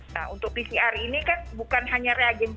nah untuk pcr ini kan bukan hanya reagency